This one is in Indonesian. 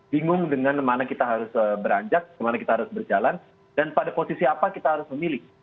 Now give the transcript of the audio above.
bingung dengan mana kita harus beranjak kemana kita harus berjalan dan pada posisi apa kita harus memilih